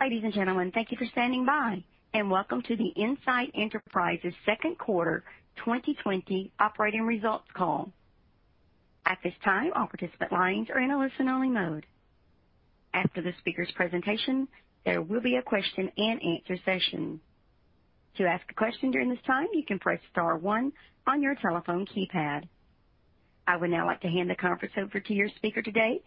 Ladies and gentlemen, thank you for standing by, and welcome to the Insight Enterprises second quarter 2020 operating results call. At this time, all participant lines are in a listen-only mode. After the speaker's presentation, there will be a question and answer session. To ask a question during this time, you can press star one on your telephone keypad. I would now like to hand the conference over to your speaker today,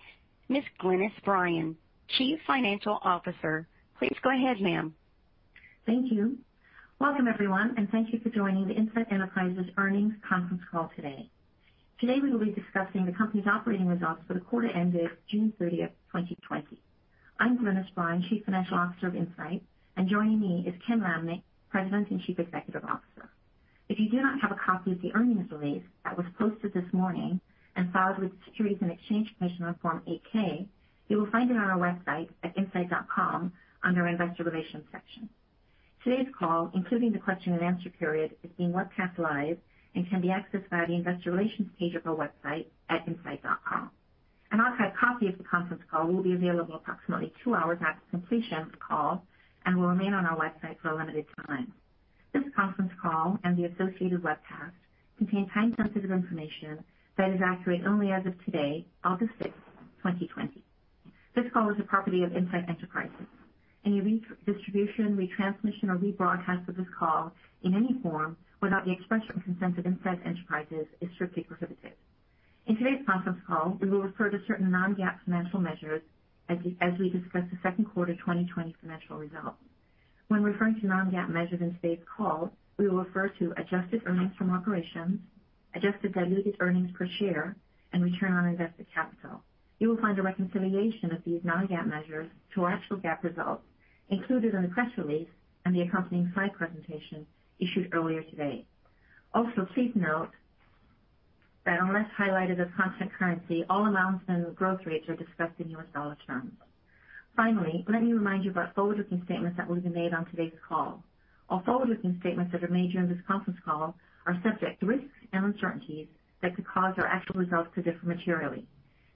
Ms. Glynis Bryan, Chief Financial Officer. Please go ahead, ma'am. Thank you. Welcome everyone, thank you for joining the Insight Enterprises earnings conference call today. Today, we will be discussing the company's operating results for the quarter ended June 30th, 2020. I'm Glynis Bryan, Chief Financial Officer of Insight, and joining me is Ken Lamneck, President and Chief Executive Officer. If you do not have a copy of the earnings release that was posted this morning and filed with the Securities and Exchange Commission on Form 8-K, you will find it on our website at insight.com under our investor relations section. Today's call, including the question and answer period, is being webcast live and can be accessed via the investor relations page of our website at insight.com. An archived copy of the conference call will be available approximately two hours after completion of the call and will remain on our website for a limited time. This conference call and the associated webcast contain time-sensitive information that is accurate only as of today, August 6th, 2020. This call is a property of Insight Enterprises. Any redistribution, retransmission, or rebroadcast of this call in any form without the express written consent of Insight Enterprises is strictly prohibited. In today's conference call, we will refer to certain non-GAAP financial measures as we discuss the second quarter 2020 financial results. When referring to non-GAAP measures in today's call, we will refer to adjusted earnings from operations, adjusted diluted earnings per share, and return on invested capital. You will find a reconciliation of these non-GAAP measures to our actual GAAP results included in the press release and the accompanying slide presentation issued earlier today. Also please note that unless highlighted as constant currency, all amounts and growth rates are discussed in U.S. dollar terms. Finally, let me remind you of our forward-looking statements that will be made on today's call. All forward-looking statements that are made during this conference call are subject to risks and uncertainties that could cause our actual results to differ materially.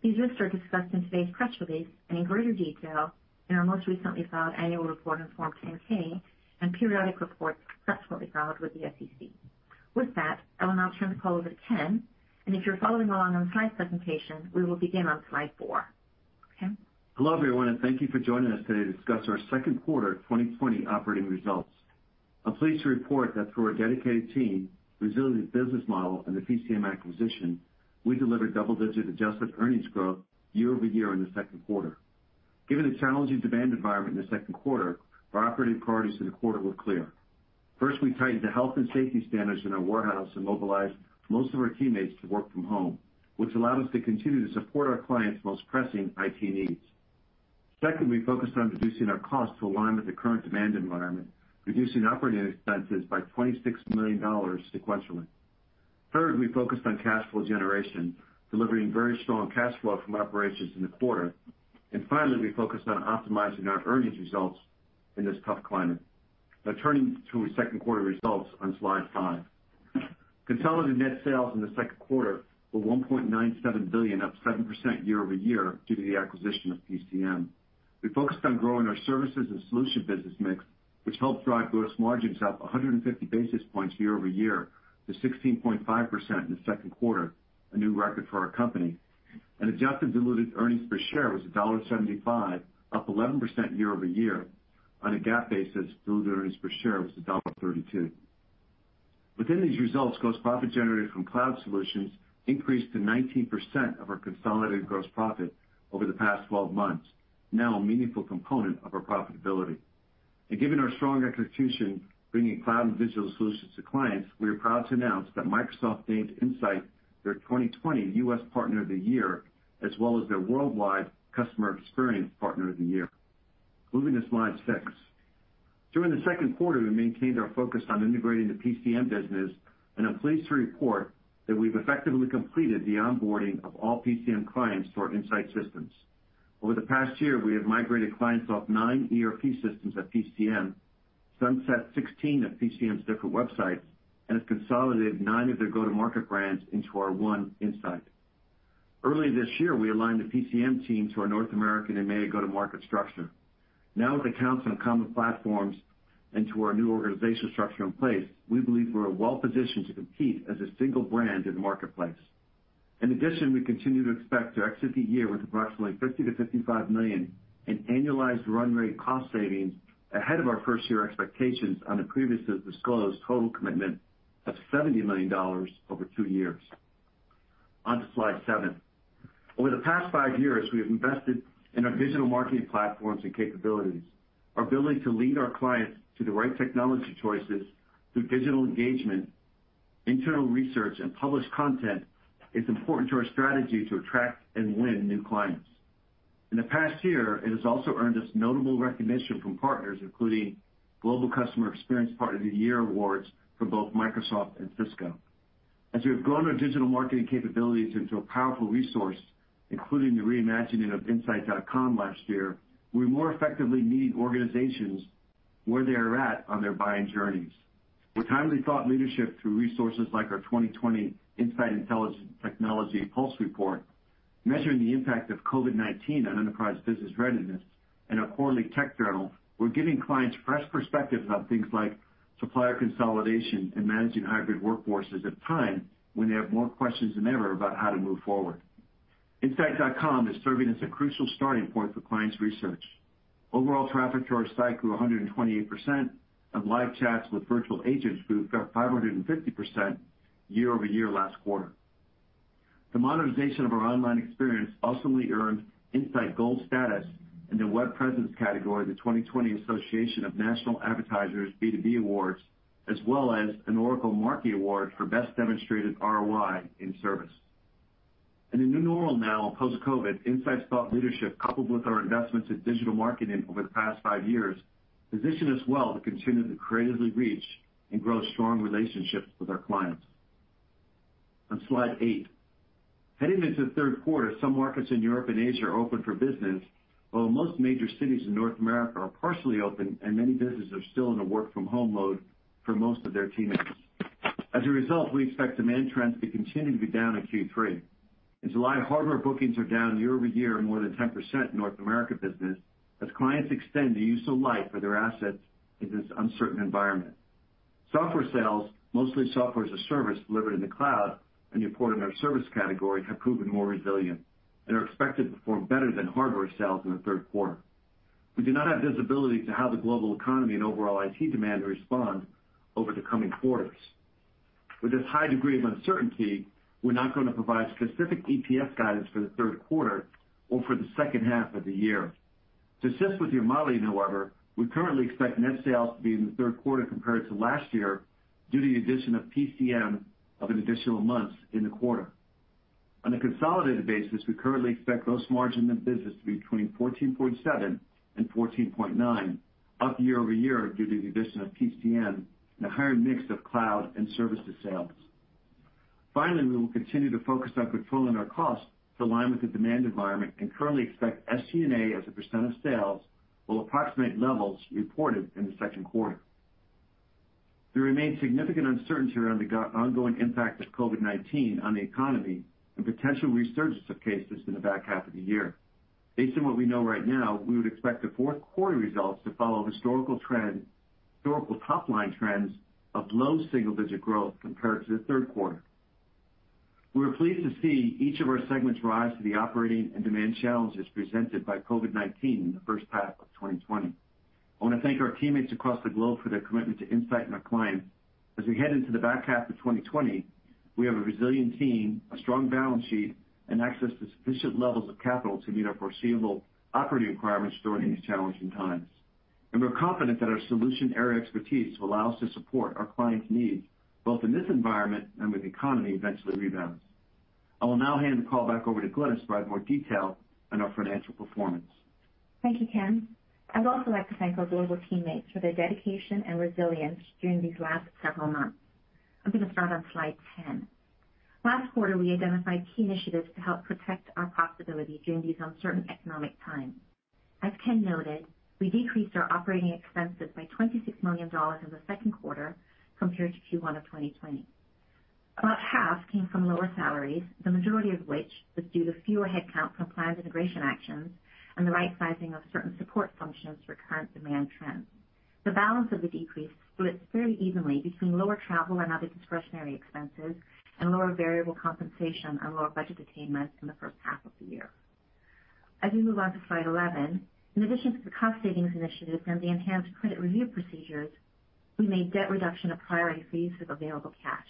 These risks are discussed in today's press release and in greater detail in our most recently filed annual report on Form 10-K and periodic reports subsequently filed with the SEC. With that, I will now turn the call over to Ken, and if you're following along on the slide presentation, we will begin on slide four. Ken? Hello, everyone, and thank you for joining us today to discuss our second quarter 2020 operating results. I'm pleased to report that through our dedicated team, resilient business model, and the PCM acquisition, we delivered double-digit adjusted earnings growth year-over-year in the second quarter. Given the challenging demand environment in the second quarter, our operating priorities for the quarter were clear. First, we tightened the health and safety standards in our warehouse and mobilized most of our teammates to work from home, which allowed us to continue to support our clients' most pressing IT needs. Second, we focused on reducing our costs to align with the current demand environment, reducing operating expenses by $26 million sequentially. Third, we focused on cash flow generation, delivering very strong cash flow from operations in the quarter. Finally, we focused on optimizing our earnings results in this tough climate. Turning to our second quarter results on slide five. Consolidated net sales in the second quarter were $1.97 billion, up 7% year-over-year due to the acquisition of PCM. We focused on growing our services and solution business mix, which helped drive gross margins up 150 basis points year-over-year to 16.5% in the second quarter, a new record for our company. Adjusted diluted earnings per share was $1.75, up 11% year-over-year. On a GAAP basis, diluted earnings per share was $1.32. Within these results, gross profit generated from cloud solutions increased to 19% of our consolidated gross profit over the past 12 months, now a meaningful component of our profitability. Given our strong execution bringing cloud and digital solutions to clients, we are proud to announce that Microsoft named Insight their 2020 U.S. Partner of the Year, as well as their Worldwide Customer Experience Partner of the Year. Moving to slide six. During the second quarter, we maintained our focus on integrating the PCM business, and I'm pleased to report that we've effectively completed the onboarding of all PCM clients to our Insight systems. Over the past year, we have migrated clients off nine ERP systems at PCM, sunset 16 of PCM's different websites, and have consolidated nine of their go-to-market brands into our One Insight. Early this year, we aligned the PCM team to our North American and EMEA go-to-market structure. Now accounts on common platforms and to our new organizational structure in place, we believe we're well positioned to compete as a single brand in the marketplace. We continue to expect to exit the year with approximately $50 million-$55 million in annualized run rate cost savings ahead of our first-year expectations on the previously disclosed total commitment of $70 million over two years. Slide seven. Over the past five years, we have invested in our digital marketing platforms and capabilities. Our ability to lead our clients to the right technology choices through digital engagement, internal research, and published content is important to our strategy to attract and win new clients. In the past year, it has also earned us notable recognition from partners, including global Customer Experience Partner of the Year awards from both Microsoft and Cisco. As we have grown our digital marketing capabilities into a powerful resource, including the reimagining of insight.com last year, we more effectively meet organizations where they are at on their buying journeys. With timely thought leadership through resources like our 2020 Insight Intelligent Technology Pulse report, measuring the impact of COVID-19 on enterprise business readiness and our quarterly tech journal, we're giving clients fresh perspectives on things like supplier consolidation and managing hybrid workforces at a time when they have more questions than ever about how to move forward. insight.com is serving as a crucial starting point for clients' research. Overall traffic to our site grew 128%, and live chats with virtual agents grew 550% year-over-year last quarter. The modernization of our online experience ultimately earned Insight gold status in the web presence category of the 2020 Association of National Advertisers B2 Awards, as well as an Oracle Markie Award for best demonstrated ROI in service. In a new normal now post-COVID, Insight's thought leadership, coupled with our investments in digital marketing over the past five years, position us well to continue to creatively reach and grow strong relationships with our clients. On slide eight. Heading into the third quarter, some markets in Europe and Asia are open for business, while most major cities in North America are partially open and many businesses are still in a work from home mode for most of their teammates. As a result, we expect demand trends to continue to be down in Q3. In July, hardware bookings are down year-over-year more than 10% in North America business as clients extend the useful life of their assets in this uncertain environment. Software sales, mostly Software as a Service delivered in the cloud and reported in our service category, have proven more resilient and are expected to perform better than hardware sales in the third quarter. We do not have visibility to how the global economy and overall IT demand will respond over the coming quarters. With this high degree of uncertainty, we're not going to provide specific EPS guidance for the third quarter or for the second half of the year. To assist with your modeling, however, we currently expect net sales [inaudible] in the third quarter compared to last year due to the addition of PCM of an additional month in the quarter. On a consolidated basis, we currently expect gross margin in the business to be between 14.7% and 14.9%, up year-over-year due to the addition of PCM and a higher mix of cloud and services sales. Finally, we will continue to focus on controlling our costs to align with the demand environment and currently expect SG&A as a percent of sales will approximate levels reported in the second quarter. There remains significant uncertainty around the ongoing impact of COVID-19 on the economy and potential resurgence of cases in the back half of the year. Based on what we know right now, we would expect the fourth quarter results to follow historical top-line trends of low single-digit growth compared to the third quarter. We are pleased to see each of our segments rise to the operating and demand challenges presented by COVID-19 in the first half of 2020. I want to thank our teammates across the globe for their commitment to Insight and our clients. As we head into the back half of 2020, we have a resilient team, a strong balance sheet, and access to sufficient levels of capital to meet our foreseeable operating requirements during these challenging times, and we're confident that our solution area expertise will allow us to support our clients' needs both in this environment and when the economy eventually rebounds. I will now hand the call back over to Glynis to provide more detail on our financial performance. Thank you, Ken. I'd also like to thank our global teammates for their dedication and resilience during these last several months. I'm going to start on slide 10. Last quarter, we identified key initiatives to help protect our profitability during these uncertain economic times. As Ken noted, we decreased our operating expenses by $26 million in the second quarter compared to Q1 of 2020. About 1/2 came from lower salaries, the majority of which was due to fewer headcount from planned integration actions and the right sizing of certain support functions for current demand trends. The balance of the decrease splits fairly evenly between lower travel and other discretionary expenses and lower variable compensation and lower budget attainment in the first half of the year. As we move on to slide 11, in addition to the cost savings initiatives and the enhanced credit review procedures, we made debt reduction a priority use of available cash.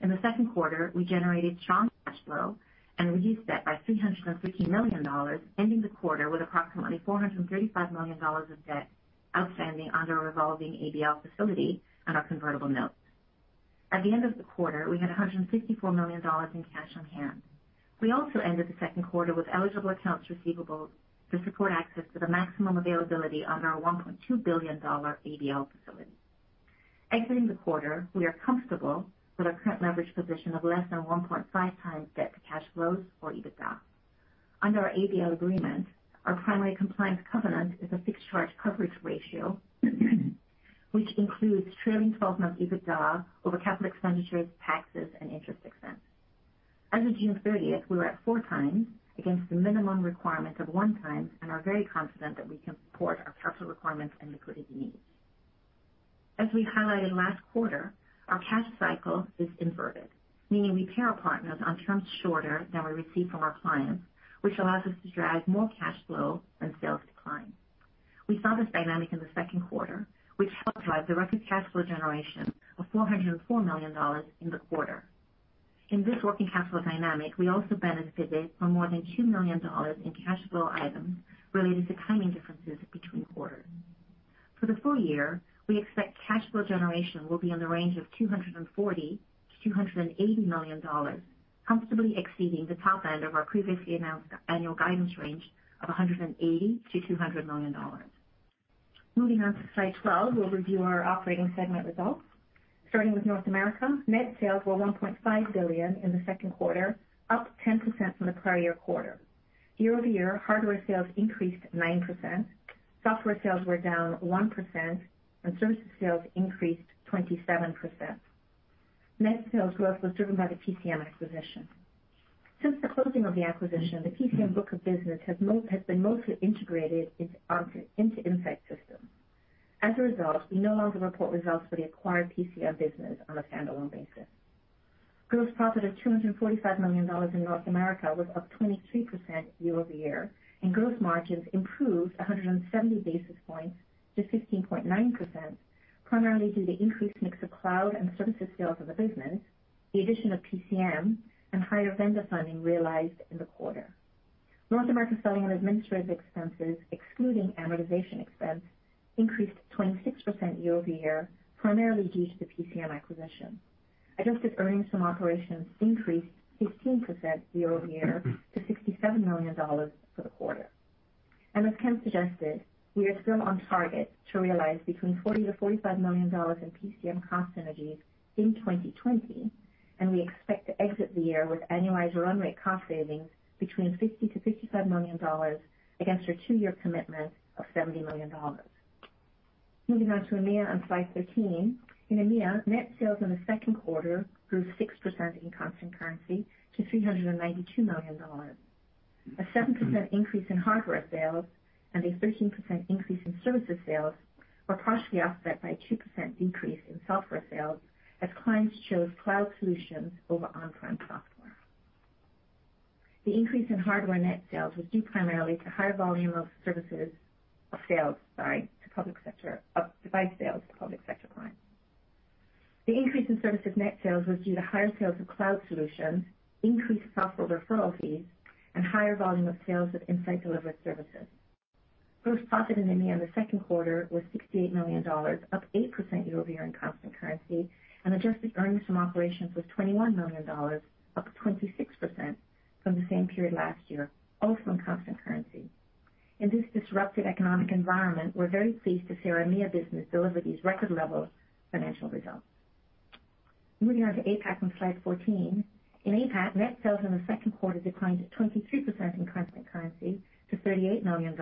In the second quarter, we generated strong cash flow and reduced debt by $350 million, ending the quarter with approximately $435 million of debt outstanding under a revolving ABL facility and our convertible notes. At the end of the quarter, we had $164 million in cash on hand. We also ended the second quarter with eligible accounts receivables to support access to the maximum availability under our $1.2 billion ABL facility. Exiting the quarter, we are comfortable with our current leverage position of less than 1.5x debt to cash flows or EBITDA. Under our ABL agreement, our primary compliance covenant is a fixed charge coverage ratio, which includes trailing 12 months EBITDA over capital expenditures, taxes, and interest expense. As of June 30th, we were at 4x against the minimum requirement of one time, are very confident that we can support our capital requirements and liquidity needs. As we highlighted last quarter, our cash cycle is inverted, meaning we pay our partners on terms shorter than we receive from our clients, which allows us to [inaudible] more cash flow when sales decline. We saw this dynamic in the second quarter, which helped drive the record cash flow generation of $404 million in the quarter. In this working capital dynamic, we also benefited from more than $2 million in cash flow items related to timing differences between quarters. For the full year, we expect cash flow generation will be in the range of $240 million-$280 million, comfortably exceeding the top end of our previously announced annual guidance range of $180 million-$200 million. Moving on to slide 12, we'll review our operating segment results. Starting with North America, net sales were $1.5 billion in the second quarter, up 10% from the prior year quarter. Year-over-year, hardware sales increased 9%, software sales were down 1%, and services sales increased 27%. Net sales growth was driven by the PCM acquisition. Since the closing of the acquisition, the PCM book of business has been mostly integrated into Insight systems. As a result, we no longer report results for the acquired PCM business on a standalone basis. Gross profit of $245 million in North America was up 23% year-over-year, and gross margins improved 170 basis points to 16.9%, primarily due to increased mix of cloud and services sales of the business, the addition of PCM, and higher vendor funding realized in the quarter. North American selling and administrative expenses, excluding amortization expense, increased 26% year-over-year, primarily due to the PCM acquisition. Adjusted earnings from operations increased 15% year-over-year to $67 million for the quarter. As Ken suggested, we are still on target to realize between $40 million-$45 million in PCM cost synergies in 2020, and we expect to exit the year with annualized run rate cost savings between $50 million-$55 million against our two-year commitment of $70 million. Moving on to EMEA on slide 13. In EMEA, net sales in the second quarter grew 6% in constant currency to $392 million. A 7% increase in hardware sales and a 13% increase in services sales were partially offset by a 2% decrease in software sales as clients chose cloud solutions over on-prem software. The increase in hardware net sales was due primarily to higher volume of device sales to public sector clients. The increase in services net sales was due to higher sales of cloud solutions, increased software referral fees, and higher volume of sales of Insight-delivered services. Gross profit in EMEA in the second quarter was $68 million, up 8% year-over-year in constant currency, and adjusted earnings from operations was $21 million, up 26% from the same period last year, also in constant currency. In this disruptive economic environment, we're very pleased to see our EMEA business deliver these record-level financial results. Moving on to APAC on slide 14. In APAC, net sales in the second quarter declined 23% in constant currency to $38 million,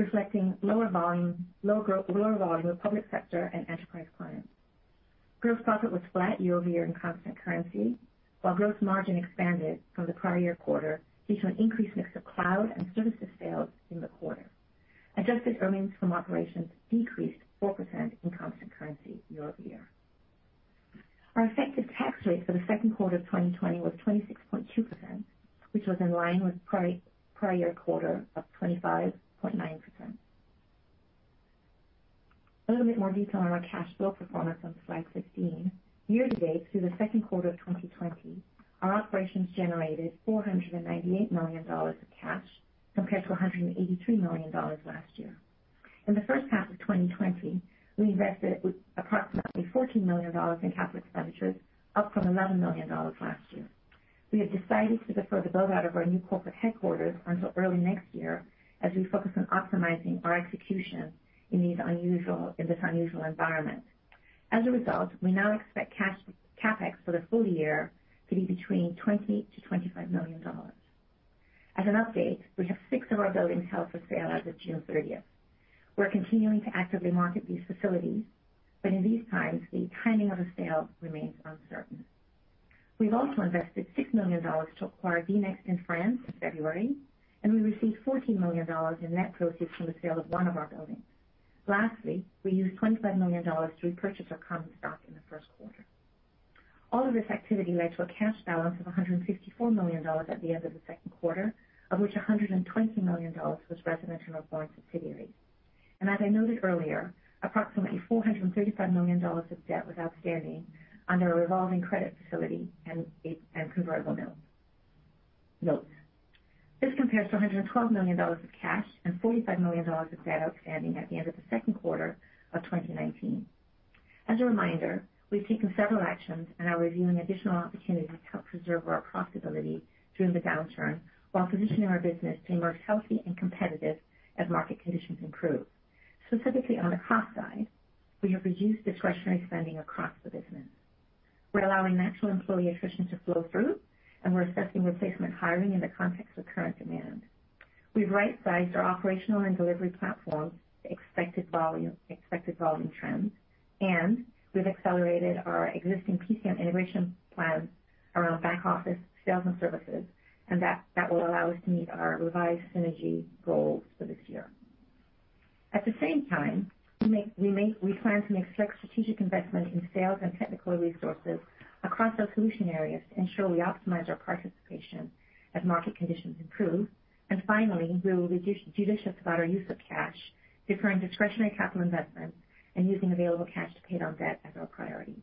reflecting lower volume of public sector and enterprise clients. Gross profit was flat year-over-year in constant currency, while gross margin expanded from the prior year quarter due to an increased mix of cloud and services sales in the quarter. Adjusted earnings from operations decreased 4% in constant currency year-over-year. Our effective tax rate for the second quarter of 2020 was 26.2%, which was in line with prior year quarter of 25.9%. A little bit more detail on our cash flow performance on slide 16. Year to date through the second quarter of 2020, our operations generated $498 million of cash compared to $183 million last year. In the first half of 2020, we invested approximately $14 million in capital expenditures, up from $11 million last year. We have decided to defer the build-out of our new corporate headquarters until early next year as we focus on optimizing our execution in this unusual environment. As a result we now expect CapEx for the full year to be between $20 million-$25 million. As an update, we have six of our buildings held for sale as of June 30th. We're continuing to actively market these facilities, but in these times, the timing of a sale remains uncertain. We've also invested $6 million to acquire vNext in France in February, and we received $14 million in net proceeds from the sale of one of our buildings. Lastly, we used $25 million to repurchase our common stock in the first quarter. All of this activity led to a cash balance of $154 million at the end of the second quarter, of which $120 million was resident in our foreign subsidiary. As I noted earlier, approximately $435 million of debt was outstanding under a revolving credit facility and convertible notes. This compares to $112 million of cash and $45 million of debt outstanding at the end of the second quarter of 2019. As a reminder, we've taken several actions and are reviewing additional opportunities to help preserve our profitability through the downturn while positioning our business to emerge healthy and competitive as market conditions improve. Specifically, on the cost side, we have reduced discretionary spending across the business. We're allowing natural employee attrition to flow through, and we're assessing replacement hiring in the context of current demand. We've right-sized our operational and delivery platforms to expected volume trends, and we've accelerated our existing PCM integration plans around back office sales and services, and that will allow us to meet our revised synergy goals for this year. At the same time, we plan to make select strategic investment in sales and technical resources across our solution areas to ensure we optimize our participation as market conditions improve and finally, we will be judicious about our use of cash, deferring discretionary capital investments and using available cash to pay down debt as our priority.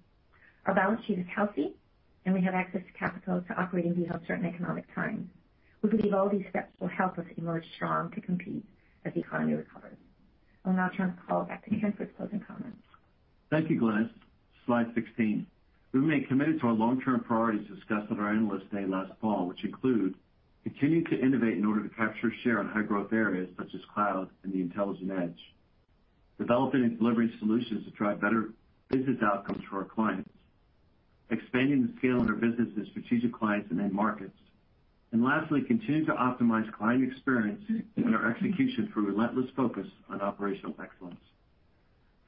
Our balance sheet is healthy, and we have access to capital to operate in these uncertain economic times. We believe all these steps will help us emerge strong to compete as the economy recovers. I'll now turn the call back to Ken for his closing comments. Thank you, Glynis. Slide 16. We remain committed to our long-term priorities discussed at our Analyst Day last fall, which include continuing to innovate in order to capture share on high-growth areas such as cloud and the intelligent edge, developing and delivering solutions to drive better business outcomes for our clients, expanding the scale of our business with strategic clients and end markets, and lastly, continuing to optimize client experience and our execution through relentless focus on operational excellence.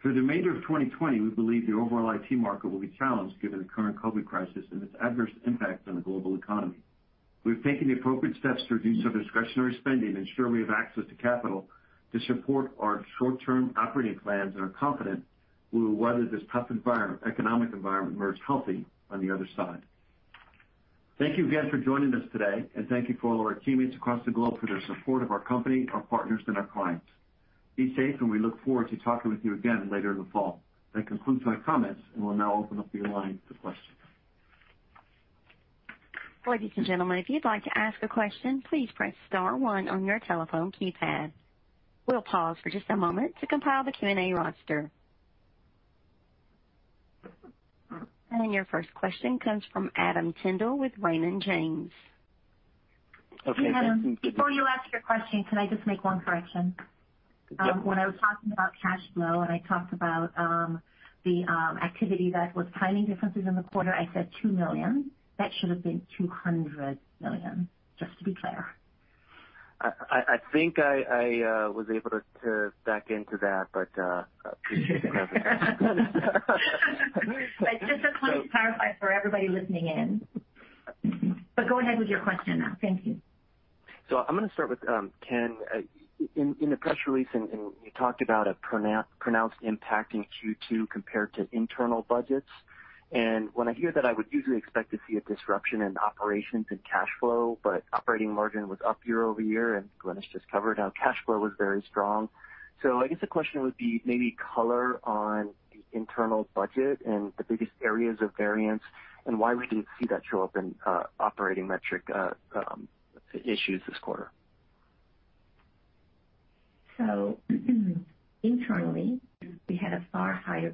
For the remainder of 2020, we believe the overall IT market will be challenged given the current COVID crisis and its adverse impact on the global economy. We've taken the appropriate steps to reduce our discretionary spending, ensure we have access to capital to support our short-term operating plans, and are confident we will weather this tough economic environment and emerge healthy on the other side. Thank you again for joining us today, and thank you for all of our teammates across the globe for their support of our company, our partners, and our clients. Be safe, and we look forward to talking with you again later in the fall. That concludes my comments, and we'll now open up the line to questions. Ladies and gentlemen, if you'd like to ask a question, please press star one on your telephone keypad. We'll pause for just a moment to compile the Q&A roster. Your first question comes from Adam Tindle with Raymond James. Okay. Hey, Adam. Before you ask your question, can I just make one correction? Yep. When I was talking about cash flow, and I talked about the activity that was timing differences in the quarter, I said $2 million. That should have been $200 million, just to be clear. I think I was able to back into that, but I appreciate the clarification. I just want to clarify for everybody listening in. Go ahead with your question now. Thank you. I'm going to start with Ken. In the press release, and you talked about a pronounced impact in Q2 compared to internal budgets. When I hear that, I would usually expect to see a disruption in operations and cash flow, but operating margin was up year-over-year, and Glynis just covered how cash flow was very strong. I guess the question would be maybe color on the internal budget and the biggest areas of variance, and why we didn't see that show up in operating metric issues this quarter. Internally, we had a higher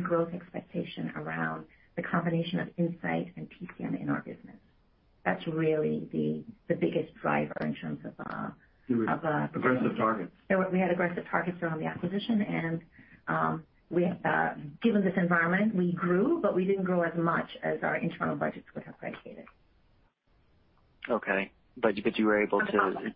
growth expectation around the combination of Insight and PCM in our business. That is really the biggest [inaudible] We had aggressive targets. We had aggressive targets around the acquisition, and given this environment, we grew, but we didn't grow as much as our internal budgets would have anticipated. Okay. Were you able to,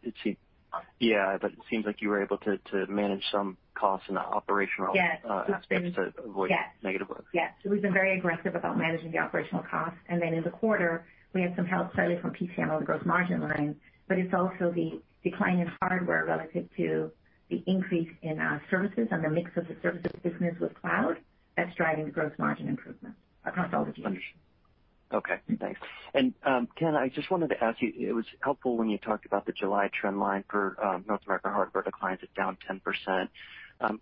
Yeah. It seems like you were able to manage some costs in the operational- Yes aspects to avoid. Yes. growth. Yes. We've been very aggressive about managing the operational costs. In the quarter, we had some help slightly from PCM on the gross margin line, it's also the decline in hardware relative to the increase in services and the mix of the services business with cloud that's driving the gross margin improvement across all the regions. Okay, thanks. Ken, I just wanted to ask you, it was helpful when you talked about the July trend line for North American hardware declines at down 10%.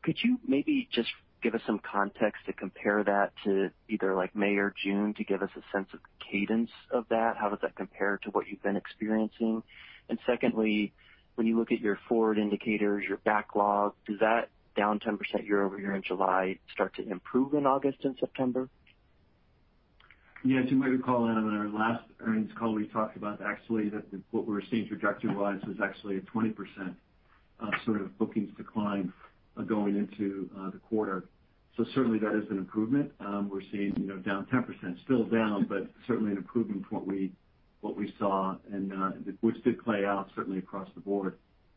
Could you maybe just give us some context to compare that to either May or June to give us a sense of the cadence of that? How does that compare to what you've been experiencing? Secondly, when you look at your forward indicators, your backlog, does that down 10% year-over-year in July start to improve in August and September? As you might recall, Adam, in our last earnings call, we talked about actually that what we were seeing trajectory-wise was actually a 20% sort of bookings decline going into the quarter. Certainly, that is an improvement. We're seeing down 10%, still down, but certainly an improvement from what we saw, and which did play out certainly across the board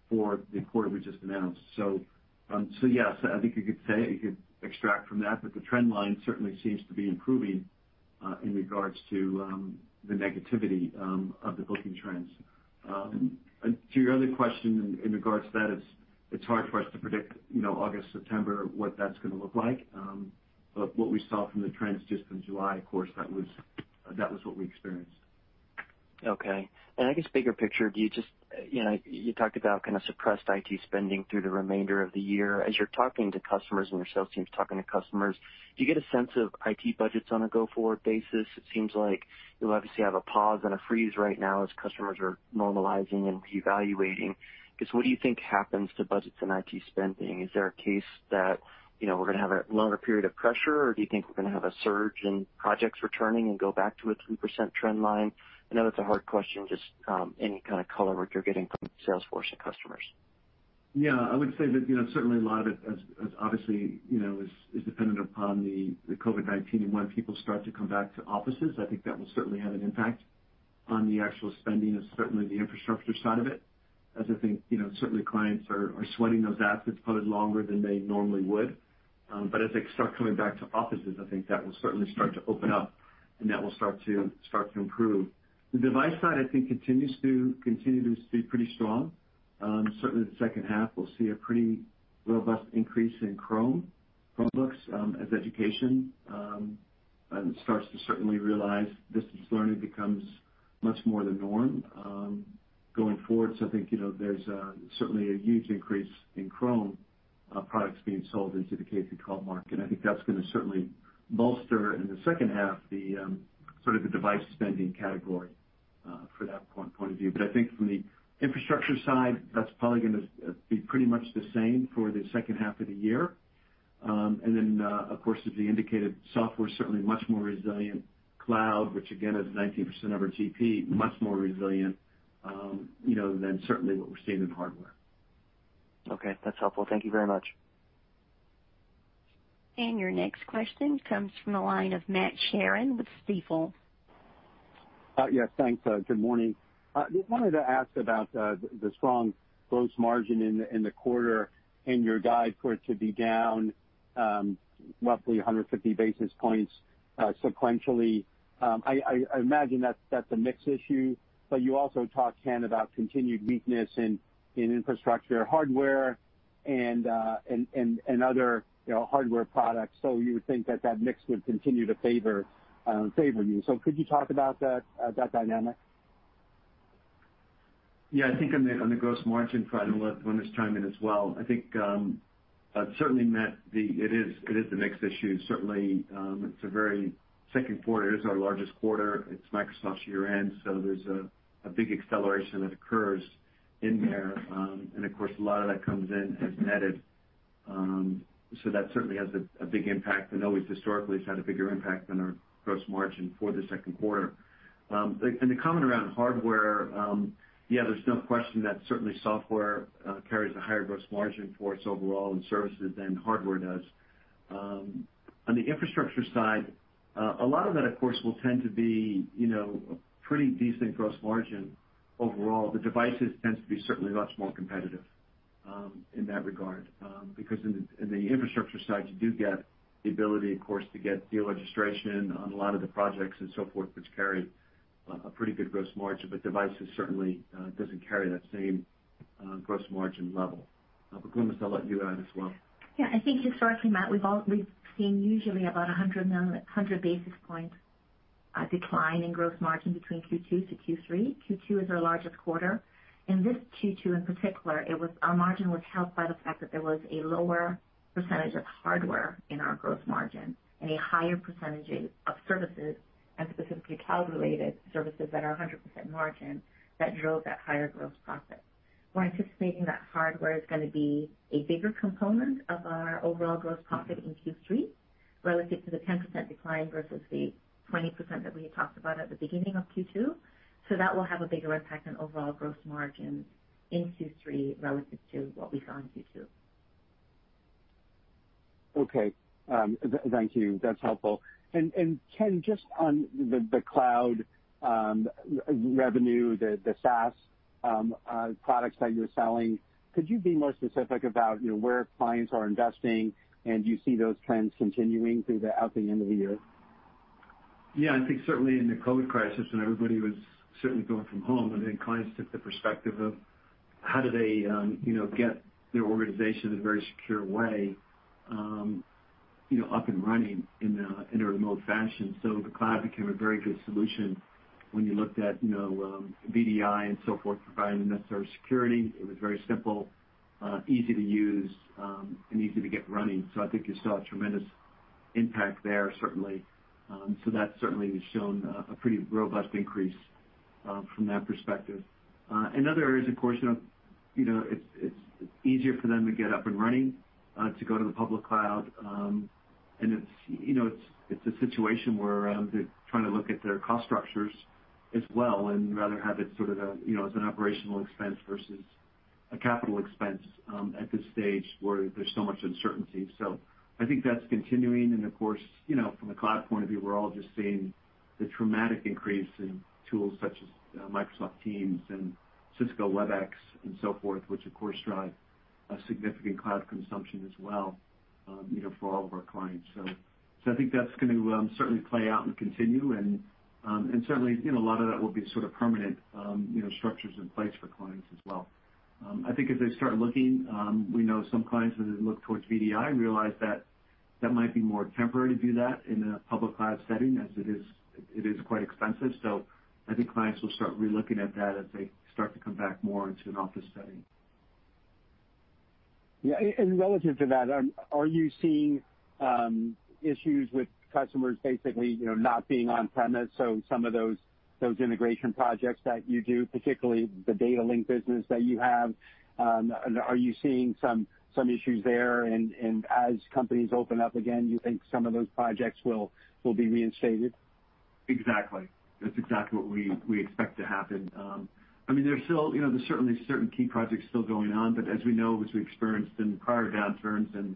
for the quarter we just announced. Yes, I think you could extract from that, but the trend line certainly seems to be improving in regards to the negativity of the booking trends. To your other question in regards to that, it's hard for us to predict August, September, what that's going to look like. What we saw from the trends just in July, of course, that was what we experienced. Okay. I guess bigger picture, you talked about kind of suppressed IT spending through the remainder of the year. As you're talking to customers and your sales team's talking to customers, do you get a sense of IT budgets on a go-forward basis? It seems like you'll obviously have a pause and a freeze right now as customers are normalizing and reevaluating, because what do you think happens to budgets and IT spending? Is there a case that we're going to have a longer period of pressure, or do you think we're going to have a surge in projects returning and go back to a 3% trend line? I know that's a hard question, just any kind of color what you're getting from the sales force and customers. Yeah. I would say that certainly a lot of it is obviously dependent upon the COVID-19, and when people start to come back to offices. I think that will certainly have an impact on the actual spending of certainly the infrastructure side of it, as I think certainly clients are sweating those assets probably longer than they normally would. As they start coming back to offices, I think that will certainly start to open up, and that will start to improve. The device side, I think, continues to be pretty strong. Certainly the second half will see a pretty robust increase in Chromebooks as education starts to certainly realize distance learning becomes much more the norm going forward. I think there's certainly a huge increase in Chrome products being sold into the K-12 market. I think that's going to certainly bolster in the second half the device spending category. For that point of view. I think from the infrastructure side, that's probably going to be pretty much the same for the second half of the year. Of course, as we indicated, software, certainly a much more resilient cloud, which again, is 19% of our GP, much more resilient, than certainly what we're seeing in hardware. Okay. That's helpful. Thank you very much. Your next question comes from the line of Matt Sheerin with Stifel. Yes, thanks. Good morning. Just wanted to ask about the strong gross margin in the quarter and your guide for it to be down roughly 150 basis points sequentially. I imagine that's a mix issue, but you also talked, Ken, about continued weakness in infrastructure, hardware, and other hardware products. You would think that that mix would continue to favor you. Could you talk about that dynamic? Yeah, I think on the gross margin, for Glynis to chime in as well. I think, certainly Matt, it is the mix issue. Certainly, second quarter is our largest quarter. It's Microsoft's year-end, so there's a big acceleration that occurs in there. Of course, a lot of that comes in as netted. That certainly has a big impact, and always historically has had a bigger impact than our gross margin for the second quarter. The comment around hardware, yeah, there's no question that certainly software carries a higher gross margin for us overall in services than hardware does. On the infrastructure side, a lot of that, of course, will tend to be a pretty decent gross margin overall. The devices tends to be certainly much more competitive in that regard. In the infrastructure side, you do get the ability, of course, to get deal registration on a lot of the projects and so forth, which carry a pretty good gross margin. Devices certainly doesn't carry that same gross margin level. Glynis, I'll let you add as well. I think historically, Matt, we've seen usually about 100 basis points decline in gross margin between Q2-Q3. Q2 is our largest quarter. In this Q2 in particular, our margin was helped by the fact that there was a lower percentage of hardware in our gross margin and a higher percentage of services, and specifically cloud-related services that are 100% margin, that drove that higher gross profit. We're anticipating that hardware is going to be a bigger component of our overall gross profit in Q3 relative to the 10% decline versus the 28% that we had talked about at the beginning of Q2. That will have a bigger impact on overall gross margin in Q3 relative to what we saw in Q2. Okay. Thank you. That's helpful. Ken, just on the cloud revenue, the SaaS products that you're selling, could you be more specific about where clients are investing, and do you see those trends continuing out the end of the year? I think certainly in the COVID-19 crisis, when everybody was certainly working from home, I think clients took the perspective of how do they get their organization in a very secure way up and running in a remote fashion. The cloud became a very good solution when you looked at VDI and so forth providing the necessary security. It was very simple, easy to use, and easy to get running. I think you saw a tremendous impact there, certainly. That certainly has shown a pretty robust increase from that perspective. Another area is, of course, it's easier for them to get up and running, to go to the public cloud. It's a situation where they're trying to look at their cost structures as well and rather have it sort of as an operational expense versus a capital expense, at this stage where there's so much uncertainty. I think that's continuing. Of course, from a cloud point of view, we're all just seeing the dramatic increase in tools such as Microsoft Teams and Cisco Webex, and so forth, which of course drive a significant cloud consumption as well for all of our clients. I think that's going to certainly play out and continue. Certainly a lot of that will be sort of permanent structures in place for clients as well. I think as they start looking, we know some clients, when they look towards VDI, realize that might be more temporary to do that in a public cloud setting as it is quite expensive. I think clients will start relooking at that as they start to come back more into an office setting. Yeah, relative to that, are you seeing issues with customers basically not being on premise, so some of those integration projects that you do, particularly the Datalink business that you have? Are you seeing some issues there, and as companies open up again, you think some of those projects will be reinstated? Exactly. That is exactly what we expect to happen. There is certainly certain key projects still going on, as we know, as we experienced in prior downturns and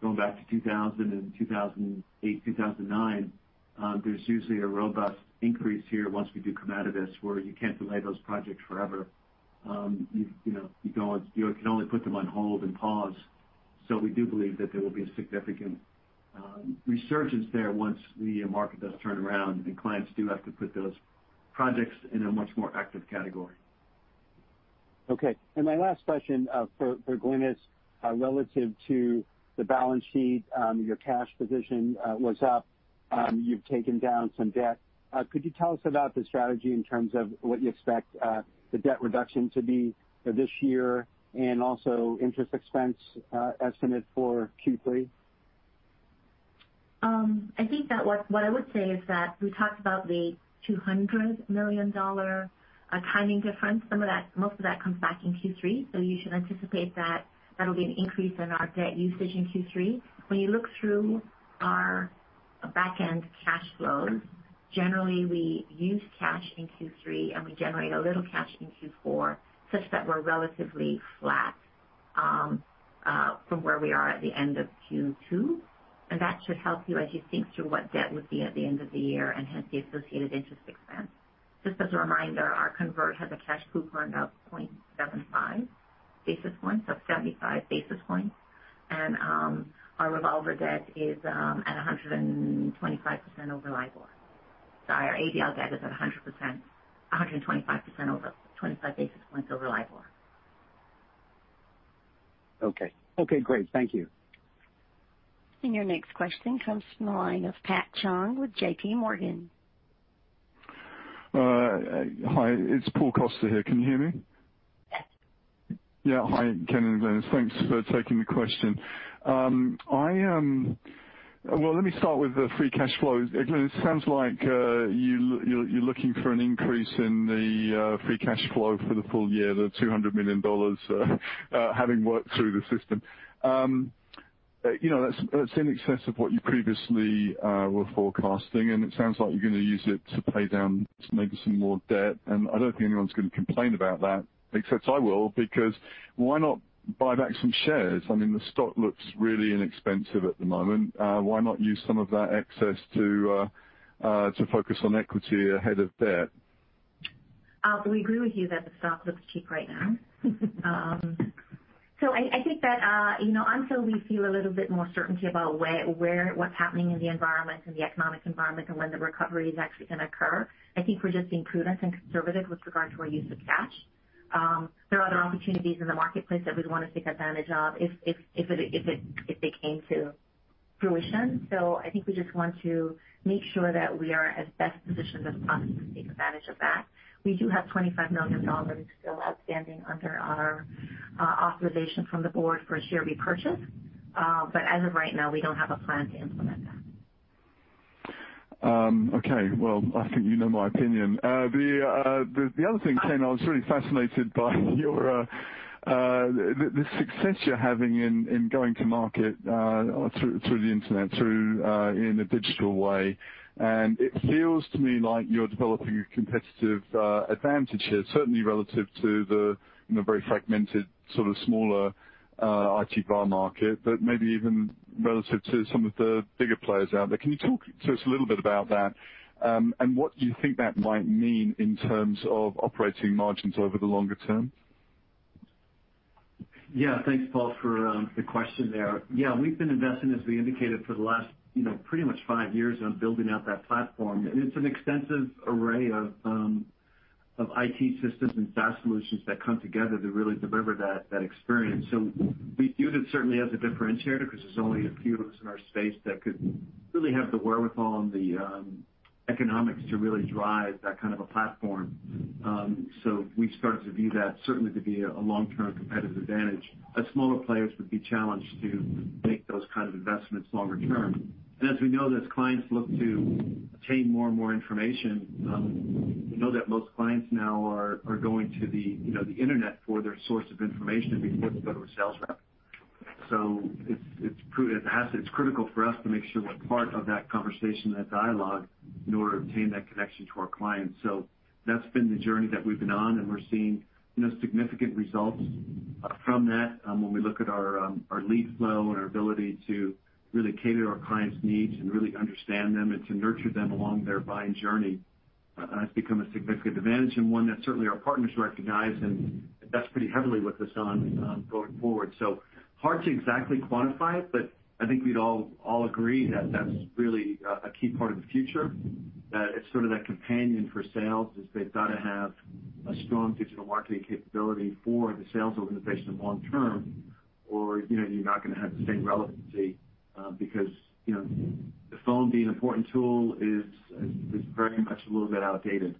going back to 2000 and 2008, 2009, there is usually a robust increase here once we do come out of this, where you cannot delay those projects forever. You can only put them on hold and pause. We do believe that there will be a significant resurgence there once the market does turn around, and clients do have to put those projects in a much more active category. Okay. My last question for Glynis, relative to the balance sheet, your cash position was up. You've taken down some debt. Could you tell us about the strategy in terms of what you expect the debt reduction to be for this year, and also interest expense estimate for Q3? I think that what I would say is that we talked about the $200 million timing difference. Most of that comes back in Q3, so you should anticipate that that'll be an increase in our debt usage in Q3. When you look through our back end cash flows, generally we use cash in Q3, and we generate a little cash in Q4, such that we're relatively flat from where we are at the end of Q2. That should help you as you think through what debt would be at the end of the year, and hence the associated interest expense. Just as a reminder, our convert has a cash coupon of 0.75 basis points, so 75 basis points. Our revolver debt is at 125 over LIBOR. Sorry, our ABL debt is at 125 basis points over LIBOR. Okay, great. Thank you. Your next question comes from the line of Paul Coster with JPMorgan. Hi, it's Paul Coster here. Can you hear me? Yes. Yeah. Hi, Ken and Glynis. Thanks for taking the question. Well, let me start with the free cash flow. Glynis, sounds like you're looking for an increase in the free cash flow for the full year, the $200 million having worked through the system. That's in excess of what you previously were forecasting, it sounds like you're going to use it to pay down maybe some more debt. I don't think anyone's going to complain about that, except I will, because why not buy back some shares? I mean, the stock looks really inexpensive at the moment. Why not use some of that excess to focus on equity ahead of debt? We agree with you that the stock looks cheap right now. I think that until we feel a little bit more certainty about what's happening in the environment, in the economic environment, and when the recovery is actually going to occur, I think we're just being prudent and conservative with regard to our use of cash. There are other opportunities in the marketplace that we'd want to take advantage of if they came to fruition. I think we just want to make sure that we are as best positioned as possible to take advantage of that. We do have $25 million still outstanding under our authorization from the board for a share repurchase. As of right now, we don't have a plan to implement that. Okay. Well, I think you know my opinion. The other thing, Ken, I was really fascinated by the success you're having in going to market through the Internet, in a digital way, and it feels to me like you're developing a competitive advantage here, certainly relative to the very fragmented, sort of smaller IT VAR market, but maybe even relative to some of the bigger players out there. Can you talk to us a little bit about that and what you think that might mean in terms of operating margins over the longer term? Thanks, Paul, for the question there. We've been investing, as we indicated, for the last pretty much five years on building out that platform. It's an extensive array of IT systems and SaaS solutions that come together to really deliver that experience. We view it certainly as a differentiator because there's only a few of us in our space that could really have the wherewithal and the economics to really drive that kind of a platform. We started to view that certainly to be a long-term competitive advantage, as smaller players would be challenged to make those kind of investments longer term. As we know, as clients look to obtain more and more information we know that most clients now are going to the internet for their source of information before they go to a sales rep. It's critical for us to make sure we're part of that conversation, that dialogue, in order to obtain that connection to our clients. That's been the journey that we've been on, and we're seeing significant results from that when we look at our lead flow and our ability to really cater our clients' needs and really understand them and to nurture them along their buying journey. That's become a significant advantage and one that certainly our partners recognize and bet pretty heavily with us on going forward. Hard to exactly quantify it, but I think we'd all agree that that's really a key part of the future, that it's sort of that companion for sales, is they've got to have a strong digital marketing capability for the sales organization long term, or you're not going to have the same relevancy because the phone being an important tool is very much a little bit outdated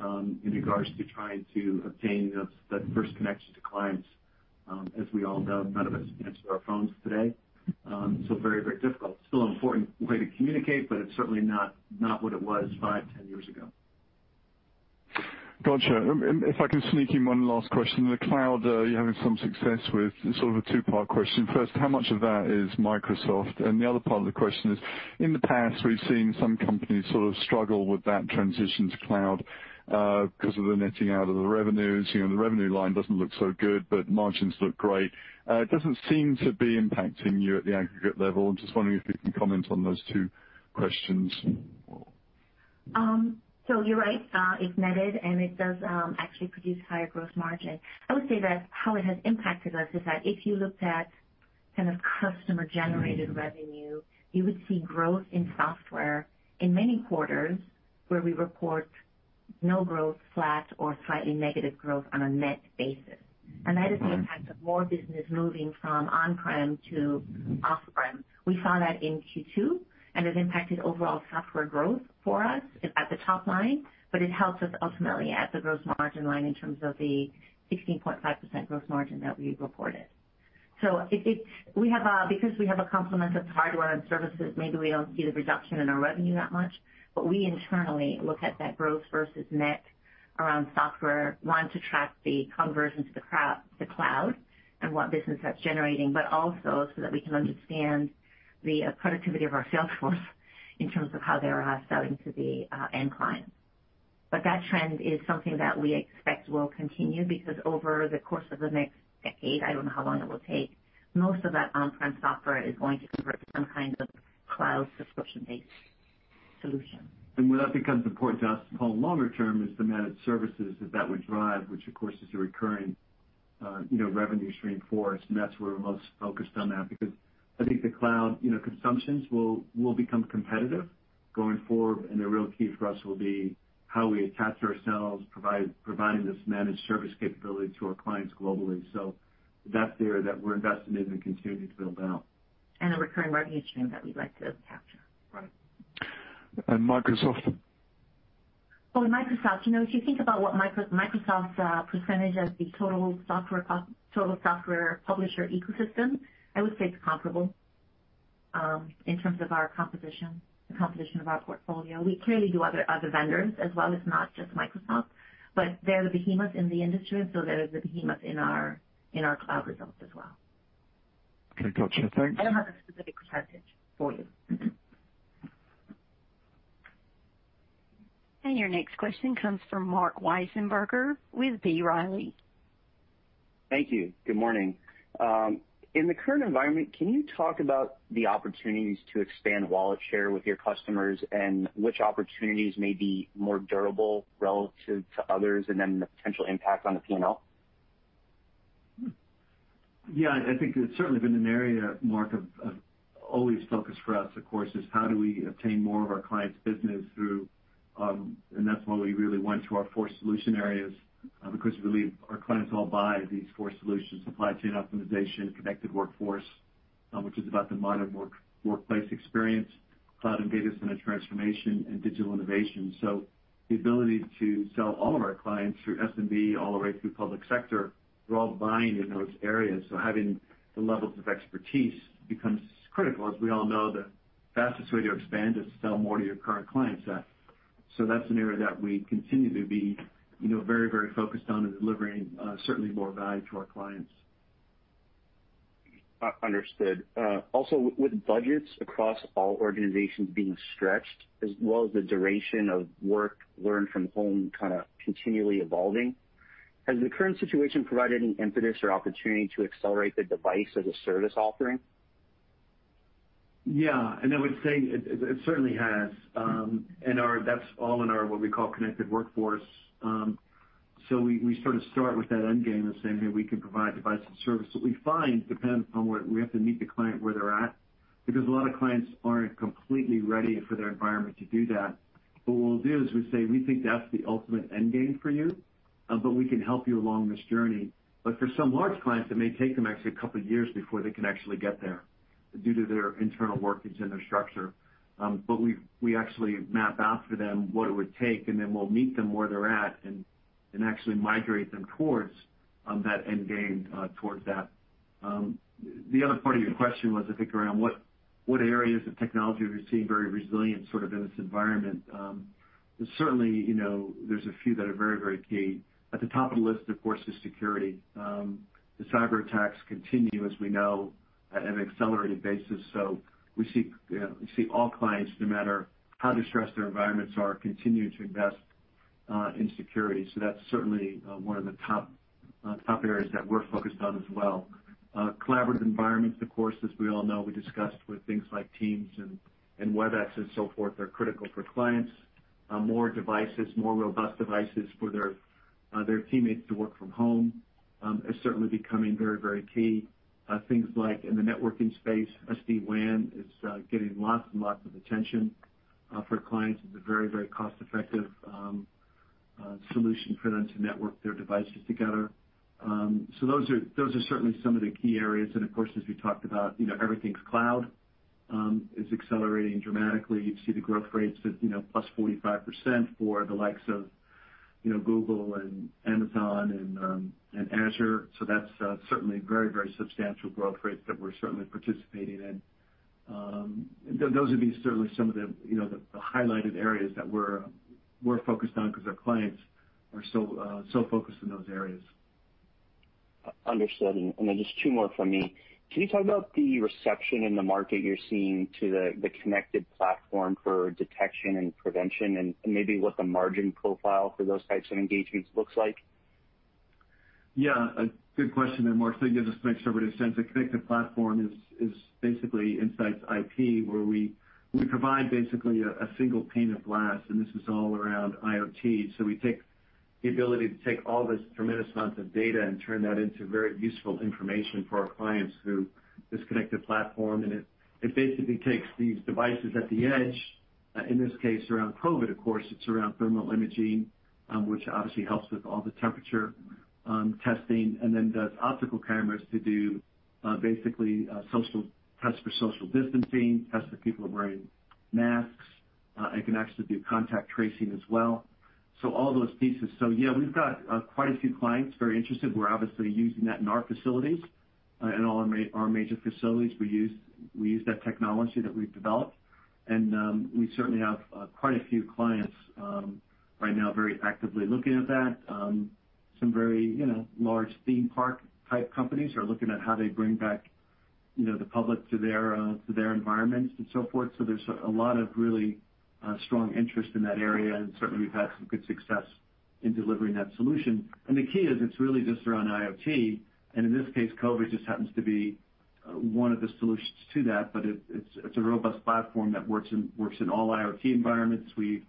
in regards to trying to obtain that first connection to clients. As we all know, none of us answer our phones today. Very difficult. Still an important way to communicate, but it's certainly not what it was five, 10 years ago. Gotcha. If I can sneak in one last question. The cloud you're having some success with. It's sort of a two-part question. First, how much of that is Microsoft? The other part of the question is, in the past, we've seen some companies sort of struggle with that transition to cloud because of the netting out of the revenues. The revenue line doesn't look so good, but margins look great. It doesn't seem to be impacting you at the aggregate level. I'm just wondering if you can comment on those two questions. You're right. It's netted, and it does actually produce higher gross margin. I would say that how it has impacted us is that if you looked at kind of customer-generated revenue, you would see growth in software in many quarters where we report no growth, flat or slightly negative growth on a net basis. That is the impact of more business moving from on-prem to off-prem. We saw that in Q2, it impacted overall software growth for us at the top line, it helps us ultimately at the gross margin line in terms of the 16.5% gross margin that we reported. Because we have a complement of hardware and services, maybe we don't see the reduction in our revenue that much. We internally look at that growth versus net around software, one, to track the conversion to the cloud and what business that's generating, but also so that we can understand the productivity of our sales force in terms of how they're selling to the end client. That trend is something that we expect will continue, because over the course of the next decade, I don't know how long it will take, most of that on-prem software is going to convert to some kind of cloud subscription-based solution. Where that becomes important to us, Paul, longer term, is the managed services that that would drive, which of course, is a recurring revenue stream for us. That's where we're most focused on that, because I think the cloud consumptions will become competitive going forward. The real key for us will be how we attach ourselves, providing this managed service capability to our clients globally. That's the area that we're invested in and continue to build out. The recurring revenue stream that we'd like to capture. Right. Microsoft? Well, Microsoft, if you think about what Microsoft's percentage of the total software publisher ecosystem, I would say it's comparable, in terms of our composition, the composition of our portfolio. We clearly do other vendors as well as not just Microsoft, but they're the behemoth in the industry. They're the behemoth in our cloud results as well. Okay, gotcha. Thanks. I don't have a specific percentage for you. Your next question comes from Marc Wiesenberger with B. Riley. Thank you. Good morning. In the current environment, can you talk about the opportunities to expand wallet share with your customers, and which opportunities may be more durable relative to others, and then the potential impact on the P&L? I think it's certainly been an area, Marc, of always focus for us, of course, is how do we obtain more of our clients' business through. That's why we really went to our four solution areas, because we believe our clients all buy these four solutions, supply chain optimization, connected workforce, which is about the modern workplace experience, cloud and data center transformation, and digital innovation. The ability to sell all of our clients through SMB, all the way through public sector, they're all buying in those areas, so having the levels of expertise becomes critical. As we all know, the fastest way to expand is to sell more to your current client set. That's an area that we continue to be very focused on and delivering certainly more value to our clients. Understood. With budgets across all organizations being stretched as well as the duration of work, learn from home kind of continually evolving, has the current situation provided any impetus or opportunity to accelerate the device as a service offering? Yeah, I would say it certainly has. That's all in our, what we call connected workforce. We sort of start with that end game of saying, "Hey, we can provide device as service." What we find depends on where we have to meet the client where they're at, because a lot of clients aren't completely ready for their environment to do that. What we'll do is we say, "We think that's the ultimate end game for you, but we can help you along this journey." For some large clients, it may take them actually a couple of years before they can actually get there due to their internal workings and their structure. We actually map out for them what it would take, and then we'll meet them where they're at and actually migrate them towards that end game, towards that. The other part of your question was, I think, around what areas of technology are you seeing very resilient sort of in this environment? Certainly, there's a few that are very key. At the top of the list, of course, is security. The cyber attacks continue, as we know, at an accelerated basis. We see all clients, no matter how distressed their environments are, continue to invest in security. That's certainly one of the top areas that we're focused on as well. Collaborative environments, of course, as we all know, we discussed with things like Teams and Webex and so forth, are critical for clients. More devices, more robust devices for their teammates to work from home, is certainly becoming very key. Things like in the networking space, SD-WAN is getting lots and lots of attention for clients. It's a very cost-effective solution for them to network their devices together. Those are certainly some of the key areas. Of course, as we talked about, everything's cloud, is accelerating dramatically. You see the growth rates of +45% for the likes of Google and Amazon and Azure. That's certainly very substantial growth rates that we're certainly participating in. Those would be certainly some of the highlighted areas that we're focused on because our clients are so focused in those areas. Understood. Just two more from me. Can you talk about the reception in the market you're seeing to the Connected Platform for Detection and Prevention, and maybe what the margin profile for those types of engagements looks like? A good question there, Marc. It gives us an opportunity to explain. The Connected Platform is basically Insight's IP, where we provide basically a single pane of glass. This is all around IoT. We take the ability to take all this tremendous amount of data and turn that into very useful information for our clients through this Connected Platform. It basically takes these devices at the edge, in this case around COVID, of course, it's around thermal imaging, which obviously helps with all the temperature testing, and then does optical cameras to do basically tests for social distancing, tests if people are wearing masks. It can actually do contact tracing as well. All those pieces. We've got quite a few clients very interested. We're obviously using that in our facilities. In all our major facilities, we use that technology that we've developed. We certainly have quite a few clients right now very actively looking at that. Some very large theme park type companies are looking at how they bring back the public to their environments and so forth. There's a lot of really strong interest in that area, and certainly, we've had some good success in delivering that solution. The key is it's really just around IoT, and in this case, COVID just happens to be one of the solutions to that. It's a robust platform that works in all IoT environments. We've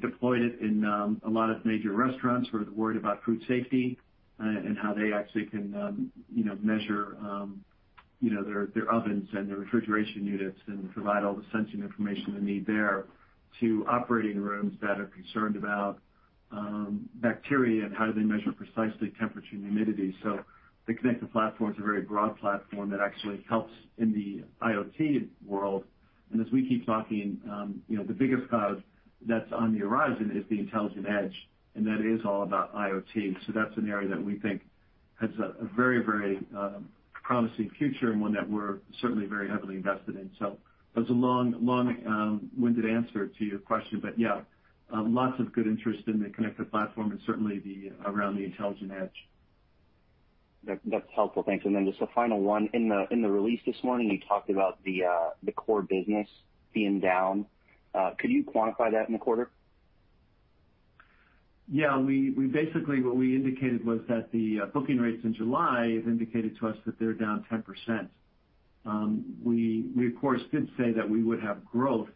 deployed it in a lot of major restaurants who are worried about food safety and how they actually can measure their ovens and their refrigeration units and provide all the sensing information they need there, to operating rooms that are concerned about bacteria and how do they measure precisely temperature and humidity. The Connected Platform is a very broad platform that actually helps in the IoT world. As we keep talking, the biggest cloud that's on the horizon is the intelligent edge, and that is all about IoT. That's an area that we think has a very promising future, and one that we're certainly very heavily invested in. That's a long-winded answer to your question, but yeah, lots of good interest in the Connected Platform and certainly around the intelligent edge. That's helpful. Thanks. Then just a final one. In the release this morning, you talked about the core business being down. Could you quantify that in the quarter? Yeah. Basically, what we indicated was that the booking rates in July have indicated to us that they're down 10%. We, of course, did say that we would have growth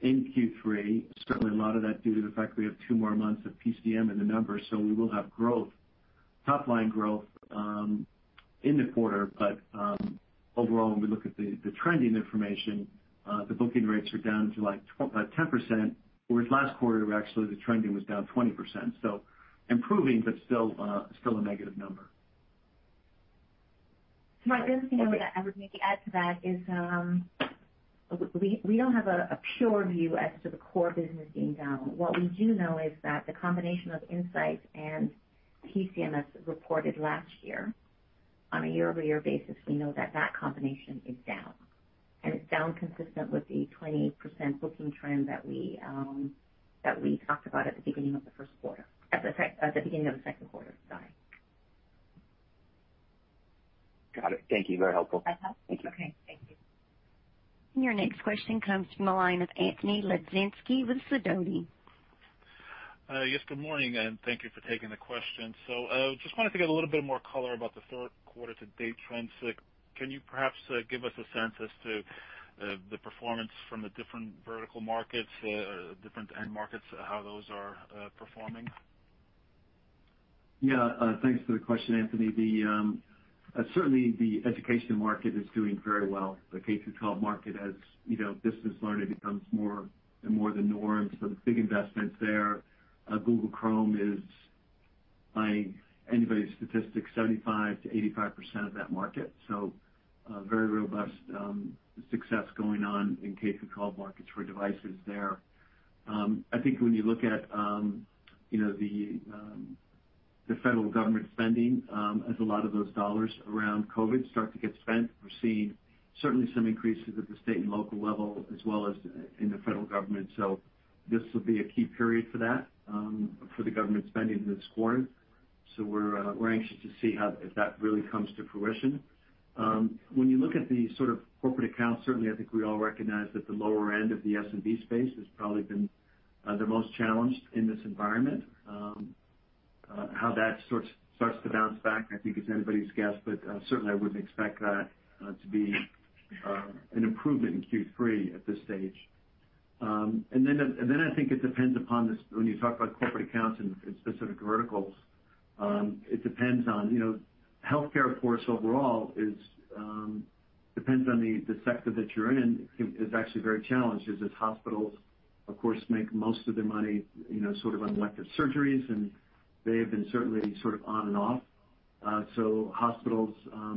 in Q3, certainly a lot of that due to the fact we have two more months of PCM in the numbers. We will have growth, top line growth, in the quarter. Overall, when we look at the trending information, the booking rates are down to 10%, whereas last quarter, actually, the trending was down 20%. Improving, but still a negative number. Marc, the only thing I would maybe add to that is, we don't have a pure view as to the core business being down. What we do know is that the combination of Insight and PCM reported last year on a year-over-year basis, we know that that combination is down, and it's down consistent with the 28% booking trend that we talked about at the beginning of the second quarter, sorry. Got it. Thank you. Very helpful. Okay. Thank you. Your next question comes from the line of Anthony Lebiedzinski with Sidoti. Yes, good morning. Thank you for taking the question. Just wanted to get a little bit more color about the third quarter to date trends. Can you perhaps give us a sense as to the performance from the different vertical markets, different end markets, how those are performing? Yeah. Thanks for the question, Anthony. Certainly the education market is doing very well. The K-12 market as distance learning becomes more and more the norm. The big investments there. Google Chrome is, by anybody's statistics, 75%-85% of that market. Very robust success going on in K-12 markets for devices there. I think when you look at the federal government spending, as a lot of those dollars around COVID start to get spent, we're seeing certainly some increases at the state and local level as well as in the federal government. This will be a key period for that, for the government spending this quarter. We're anxious to see if that really comes to fruition. When you look at the sort of corporate accounts, certainly I think we all recognize that the lower end of the SMB space has probably been the most challenged in this environment. How that starts to bounce back, I think is anybody's guess. Certainly I wouldn't expect that to be an improvement in Q3 at this stage. Then I think it depends upon this, when you talk about corporate accounts in specific verticals, it depends on healthcare, of course, overall depends on the sector that you're in, is actually very challenged, as hospitals, of course, make most of their money sort of on elective surgeries, and they have been certainly sort of on and off. Hospitals,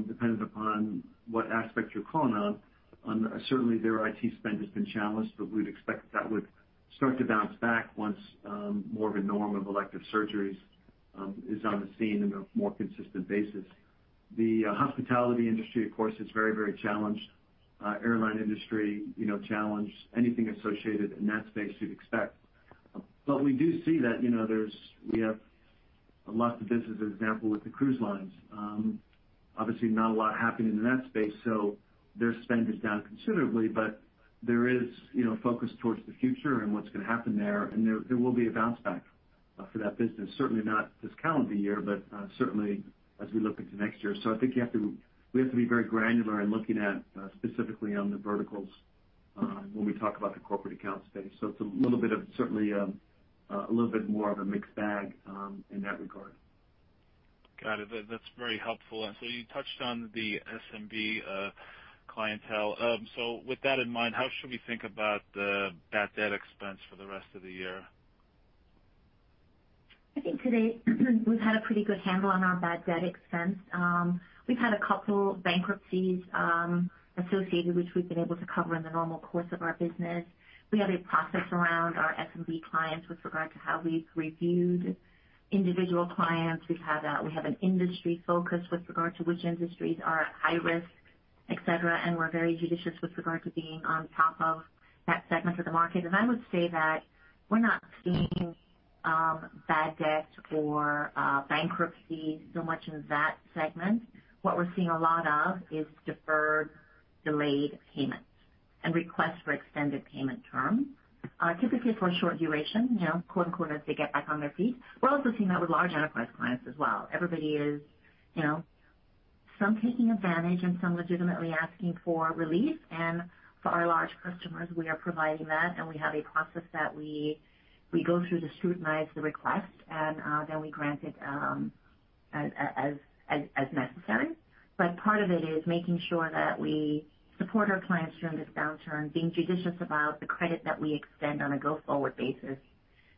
dependent upon what aspect you're calling on, certainly their IT spend has been challenged, but we'd expect that that would start to bounce back once more of a norm of elective surgeries is on the scene in a more consistent basis. The hospitality industry, of course, is very challenged. Airline industry challenged. Anything associated in that space you'd expect. We do see that we have lots of business, as an example, with the cruise lines. Obviously not a lot happening in that space, their spend is down considerably. There is focus towards the future and what's going to happen there, and there will be a bounce back for that business. Certainly not this calendar year, but certainly as we look into next year. I think we have to be very granular in looking at specifically on the verticals when we talk about the corporate account space. It's certainly a little bit more of a mixed bag in that regard. Got it. That's very helpful. You touched on the SMB clientele. With that in mind, how should we think about the bad debt expense for the rest of the year? I think today we've had a pretty good handle on our bad debt expense. We've had a couple bankruptcies associated, which we've been able to cover in the normal course of our business. We have a process around our SMB clients with regard to how we've reviewed individual clients. We have an industry focus with regard to which industries are high risk, et cetera. I would say that we're not seeing bad debt or bankruptcies so much in that segment. What we're seeing a lot of is deferred delayed payments and requests for extended payment terms, typically for a short duration, quote-unquote, "As they get back on their feet." We're also seeing that with large enterprise clients as well. Everybody is some taking advantage and some legitimately asking for relief. For our large customers, we are providing that, and we have a process that we go through to scrutinize the request, and then we grant it as necessary. Part of it is making sure that we support our clients during this downturn, being judicious about the credit that we extend on a go-forward basis,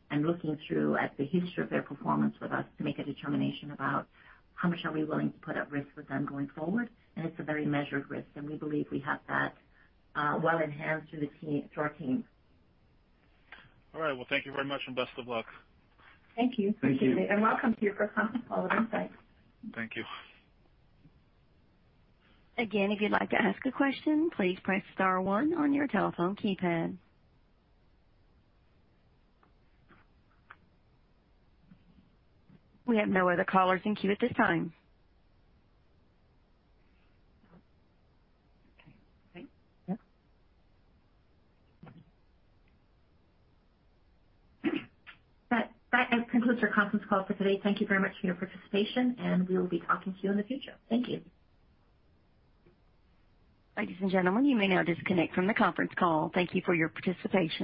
and looking through at the history of their performance with us to make a determination about how much are we willing to put at risk with them going forward. It's a very measured risk, and we believe we have that well in hand through our teams. All right. Well, thank you very much, and best of luck. Thank you. Thank you. Welcome to your first conference call with Insight. Thank you. Again, if you'd like to ask a question, please press star one on your telephone keypad. We have no other callers in queue at this time. Okay. Great. That concludes our conference call for today. Thank you very much for your participation, and we will be talking to you in the future. Thank you. Ladies and gentlemen, you may now disconnect from the conference call. Thank you for your participation.